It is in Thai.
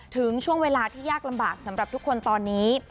ถึงช่วงเวลาที่ยากลำบากสำหรับทุกคนตอนนี้